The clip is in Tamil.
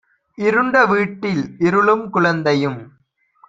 இருண்ட வீட்டில் இருளும் குழந்தையும்